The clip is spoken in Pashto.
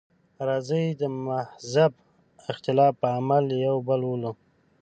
راځئ د مهذب اختلاف په عمل یو بل وولو.